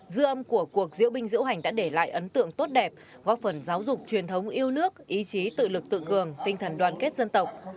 dư âm của cuộc diễu binh diễu hành đã để lại ấn tượng tốt đẹp góp phần giáo dục truyền thống yêu nước ý chí tự lực tự cường tinh thần đoàn kết dân tộc